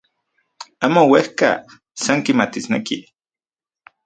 Amo uejka, san kimatisneki.